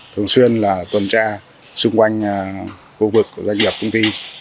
thường xuyên là tuần tra xung quanh khu vực doanh nghiệp công ty